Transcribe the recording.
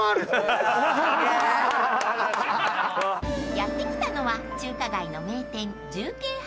［やって来たのは中華街の名店］